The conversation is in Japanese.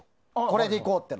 これでいこうって。